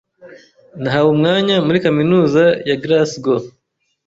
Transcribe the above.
Nahawe umwanya muri kaminuza ya Glasgow